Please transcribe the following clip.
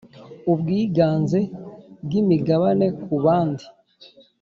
Ubwiganze bw imigabane ku bandi